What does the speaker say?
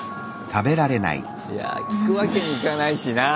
いや聞くわけにいかないしなぁ。